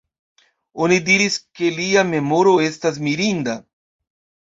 Oni diris ke lia memoro estas mirinda.